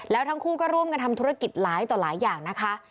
แล้วทั้งคู่ก็ร่วมกันทำธุรกิจหลายต่อหลายอย่างนะคะ